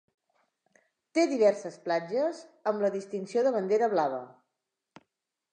Té diverses platges amb la distinció de bandera blava.